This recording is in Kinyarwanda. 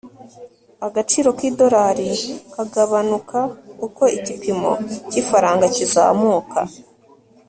agaciro k'idolari kagabanuka uko igipimo cy'ifaranga kizamuka